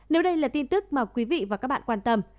nếu đây là tin tức mà quý vị và các bạn quan tâm